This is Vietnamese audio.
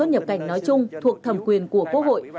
giấy tờ xuất nhập cảnh nói chung thuộc thầm quyền của quốc hội